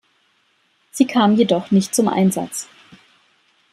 Sie kam jedoch nicht zum Einsatz.